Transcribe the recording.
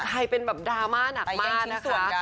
กลายเป็นแบบดราม่าหนักมากนะคะ